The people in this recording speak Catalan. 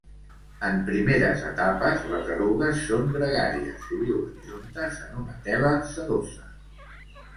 En primeres etapes, les erugues són gregàries i viuen juntes en una tela sedosa.